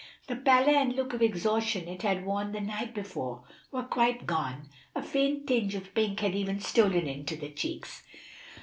The pallor and look of exhaustion it had worn the night before were quite gone, a faint tinge of pink had even stolen into the cheeks.